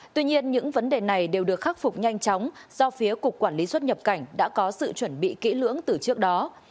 tuy nhiên những vấn đề này đều được khắc phục nhanh chóng do phía cục quản lý xuất nhập cảnh đã có sự chuẩn bị kỹ lưỡng từ trước đó